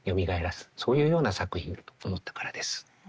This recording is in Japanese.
そういうような作品と思ったからです。